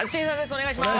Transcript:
お願いします。